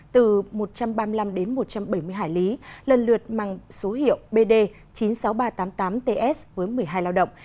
từ một trăm ba mươi năm đến một trăm bảy mươi hải lý lần lượt mang số hiệu bd chín mươi sáu nghìn ba trăm tám mươi tám ts với một mươi hai lao động